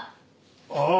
ああ。